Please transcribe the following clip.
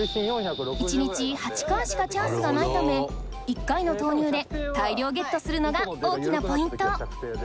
１日８回しかチャンスがないため１回の投入で大量ゲットするのが大きなポイント